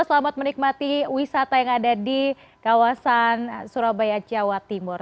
selamat menikmati wisata yang ada di kawasan surabaya jawa timur